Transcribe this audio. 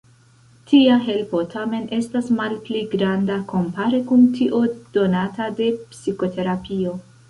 Tia helpo tamen estas malpli granda kompare kun tio donata de psikoterapio.